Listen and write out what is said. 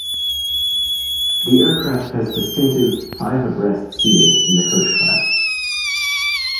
The aircraft has distinctive five-abreast seating in the coach class.